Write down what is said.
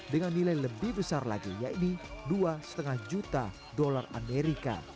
dengan nilai lebih besar lagi yaitu dua lima juta dolar amerika